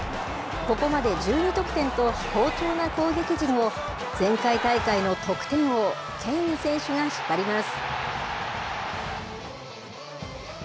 ここまで１２得点と、好調な攻撃陣を、前回大会の得点王、ケイン選手が引っ張ります。